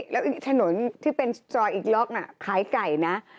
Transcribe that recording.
แล้วถนนที่เป็นซอยอีกล็อกน่ะขายไก่นะ